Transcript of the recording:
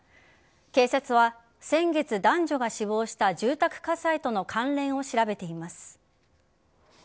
警察は先月、男女が死亡した住宅火災との関連を調べています。